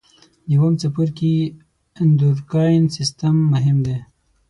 د اووم څپرکي اندورکاین سیستم مهم دی.